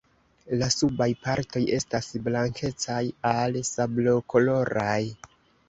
La subaj partoj estas blankecaj al sablokoloraj.